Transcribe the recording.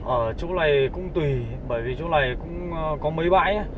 ở chỗ này cũng tùy bởi vì chỗ này cũng có mấy bãi